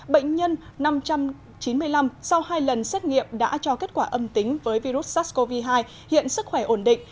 bệnh nhân năm trăm chín mươi năm sau hai lần xét nghiệm đã cho kết quả âm tính với virus sars cov hai hiện sức khỏe ổn định